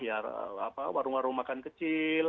warung warung makan kecil